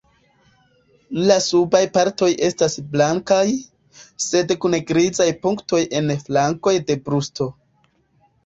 La subaj partoj estas blankaj, sed kun grizaj punktoj en flankoj de brusto.